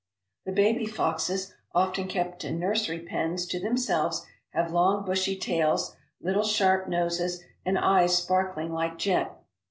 The baby foxes, often kept in "nursery" pens to them selves, have long bushy tails, little sharp noses, and eyes sparkling like jet.